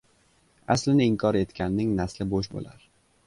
• Aslini inkor etganning nasli bo‘sh bo‘lar.